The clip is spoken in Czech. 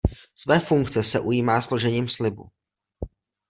Své funkce se ujímá složením slibu.